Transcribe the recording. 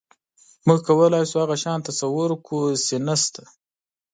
موږ کولی شو هغه شیان تصور کړو، چې نهشته.